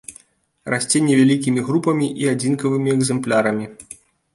Расце невялікімі групамі і адзінкавымі экзэмплярамі.